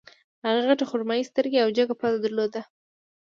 هغې غټې خرمايي سترګې او جګه پزه درلوده